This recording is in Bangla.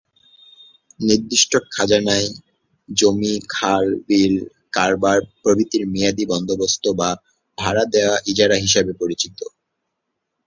নির্দিষ্ট খাজানায় জমি, খাল, বিল, কারবার প্রভৃতির মেয়াদী বন্দোবস্ত বা ভাড়া দেয়া ইজারা হিসেবে পরিচিত।